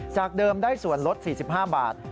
จากเดิมได้ส่วนลด๔๕บาท